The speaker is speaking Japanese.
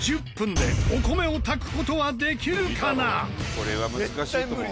これは難しいと思うわ。